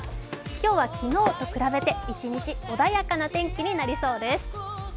今日は昨日と比べて一日穏やかな天気になりそうです。